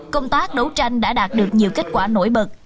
công tác đấu tranh đã đạt được nhiều kết quả nổi bật